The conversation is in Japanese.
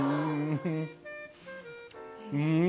うん。